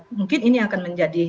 mungkin ini akan menjadi